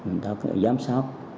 người ta có giám sát